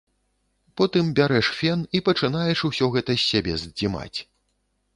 Потым бярэш фен і пачынаеш усё гэта з сябе здзімаць.